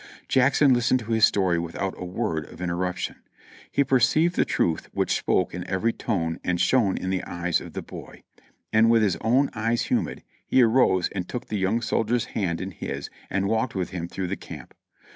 Jackson listened to his story without a word of interruption. He per ceived the truth which spoke in every tone and shone in the eyes of the boy ; and with his own eyes humid, he arose and took the young soldier's hand in his and walked with him through the camp.